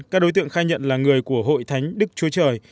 các đối tượng khai nhận là người của hội thánh đức chúa trời